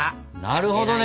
なるほどね！